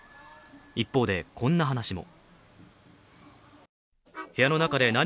一方でこんな話も。